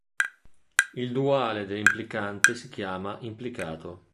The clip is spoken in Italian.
Il duale dell'implicante si chiama "implicato".